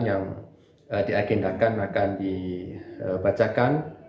yang diagendakan akan dibacakan